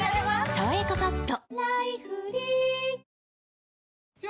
「さわやかパッド」